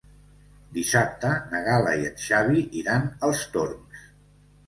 Dissabte na Gal·la i en Xavi iran als Torms.